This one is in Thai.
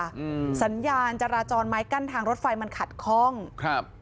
อืมสัญญาณจราจรไม้กั้นทางรถไฟมันขัดข้องครับ